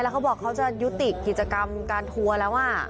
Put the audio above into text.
แล้วเขาบอกเขาจะยุติกการทัวร์แล้วอ่ะ